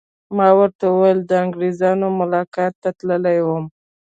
ما ورته وویل: د انګریزانو ملاقات ته تللی وم.